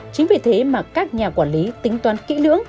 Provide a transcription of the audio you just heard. chính vì thế mà các nhà quản lý tính toán kỹ lưỡng